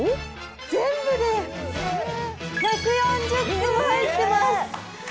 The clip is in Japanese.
全部で１４０粒入ってます。